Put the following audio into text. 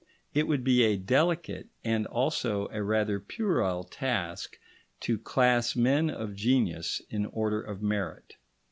It would be a delicate, and also a rather puerile task, to class men of genius in order of merit.